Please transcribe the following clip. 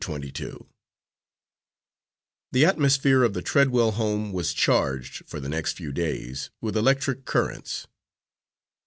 Twenty two The atmosphere of the Treadwell home was charged, for the next few days, with electric currents.